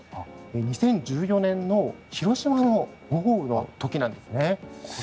２０１４年の広島の豪雨の時なんですね。